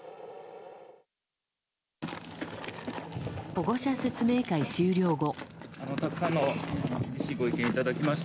保護者説明会終了後。